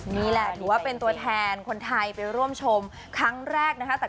นี่แหละถือว่าเป็นตัวแทนคนไทยไปร่วมชมครั้งแรกนะคะ